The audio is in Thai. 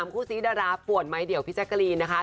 คู่ซีดาราป่วนไหมเดี๋ยวพี่แจ๊กกะรีนนะคะ